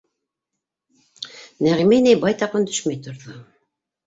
Нәғимә инәй байтаҡ өндәшмәй торҙо.